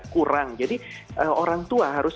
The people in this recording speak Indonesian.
kurang jadi orang tua harus